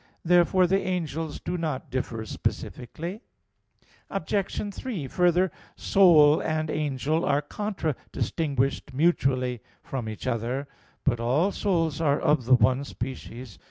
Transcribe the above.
Therefore the angels do not differ specifically. Obj. 3: Further, soul and angel are contra distinguished mutually from each other. But all souls are of the one species.